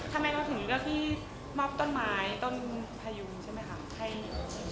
ทำไมรอถึงเกี่ยวกับที่มอบต้นไม้ต้นพายุไหมครับ